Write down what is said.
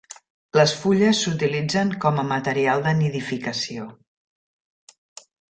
Les fulles s'utilitzen com a material de nidificació.